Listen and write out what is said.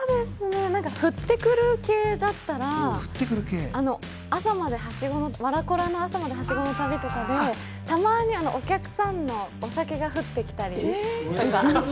降ってくる系だったら朝まではしごの旅とかで、たまにお客さんのお酒が降ってきたりとか。